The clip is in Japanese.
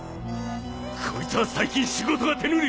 こいつは最近仕事が手ぬるい！